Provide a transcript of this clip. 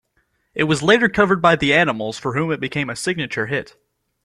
It was later covered by The Animals, for whom it became a signature hit.